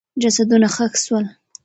جسدونه ښخ سول.